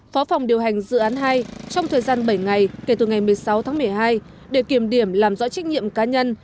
phó phòng điều hành dự án hai trong thời gian bảy ngày kể từ ngày một mươi sáu tháng một mươi hai để kiểm điểm làm rõ trách nhiệm cá nhân